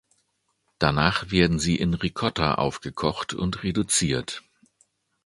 Danach werden sie in Ricotta aufgekocht und reduziert.